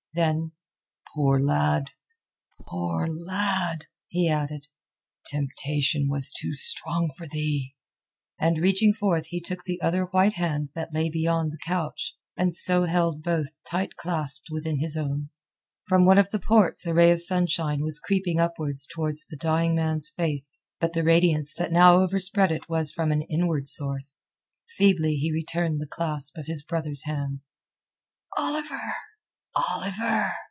Then: "Poor lad! Poor lad!" he added. "Temptation was too strong for thee." And reaching forth he took the other white hand that lay beyond the couch, and so held both tight clasped within his own. From one of the ports a ray of sunshine was creeping upwards towards the dying man's face. But the radiance that now overspread it was from an inward source. Feebly he returned the clasp of his brother's hands. "Oliver, Oliver!"